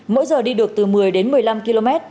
mỗi giờ đi được từ một mươi đến một mươi năm km